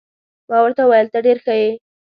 ما ورته وویل: ته ډېر ښه يې.